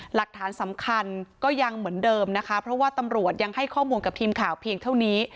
หลักฐานสำคัญก็ยังเหมือนเดิมนะคะเพราะว่าตำรวจยังให้ข้อมูลกับทีมข่าวเพียงเท่านี้